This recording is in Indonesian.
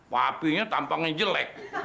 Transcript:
papinya tampangnya jelek